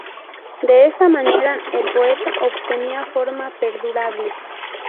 De esta manera, el poeta obtenía fama perdurable.